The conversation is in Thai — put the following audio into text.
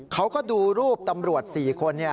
เขาก็ดูรูปตำรวจสี่คนเนี่ย